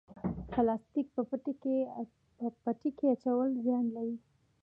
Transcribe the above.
پلاستیک په پټي کې اچول زیان لري؟